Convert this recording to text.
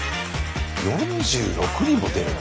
４６人も出るの？